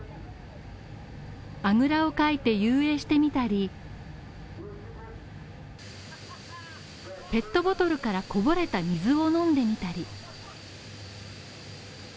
あぐらをかいて遊泳してみたりペットボトルからこぼれた水を飲んでみたり。